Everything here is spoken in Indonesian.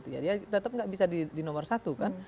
jadi ya tetap tidak bisa di nomor satu kan